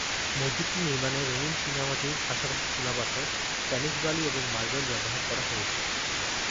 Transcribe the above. মসজিদটি নির্মাণে রঙিন চীনামাটির পাশাপাশি চুনাপাথর, স্প্যানিশ বালি এবং মার্বেল ব্যবহার করা হয়েছে।